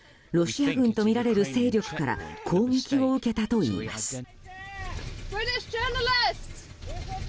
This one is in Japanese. ロシア軍とみられる勢力から攻撃を受けたといいます。